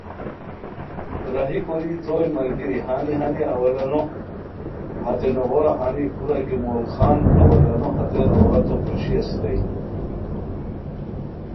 راہی کوری تروئے ملگیری ہانی ہانی اولانو ہتے نوغورہ ہانی کورا کی مغل خان اولانو ہتے عورتو پوشی اسیتائے